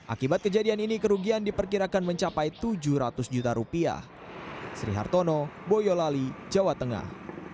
akibat kejadian ini kerugian diperkirakan mencapai tujuh ratus juta rupiah